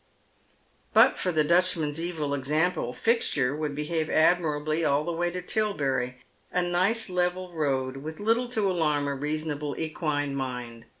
But for the Dutchman's evil example Fixture would behave admirably all the way to Tilbeny, a nice level road, with little to alarm a reasonable equine mind.